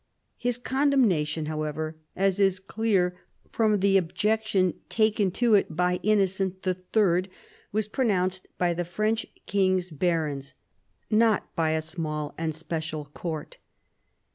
His condemnation, however, as is clear from the objection taken to it by Innocent III., was pronounced by the French king's barons — not by a small and special court.